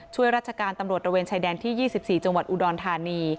ช่วยราชการตำรวจระเวนชายแดนที่๒๔จังหวัดอุดรธานี